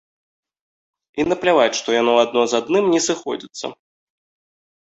І напляваць, што яно адно з адным не сыходзіцца.